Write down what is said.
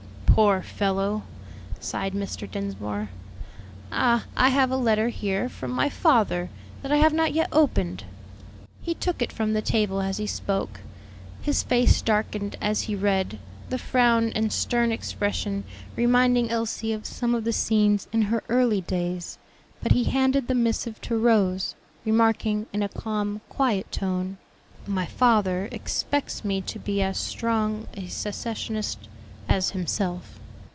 "Poor fellow!" sighed Mr. Dinsmore. "Ah, I have a letter here from my father that I have not yet opened." He took it from the table as he spoke. His face darkened as he read, the frown and stern expression reminding Elsie of some of the scenes in her early days; but he handed the missive to Rose, remarking, in a calm, quiet tone, "My father expects me to be as strong a secessionist as himself."